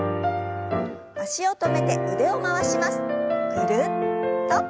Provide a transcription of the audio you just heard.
ぐるっと。